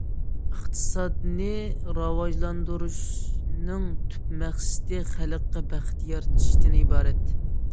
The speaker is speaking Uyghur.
ئىقتىسادنى راۋاجلاندۇرۇشنىڭ تۈپ مەقسىتى خەلققە بەخت يارىتىشتىن ئىبارەت.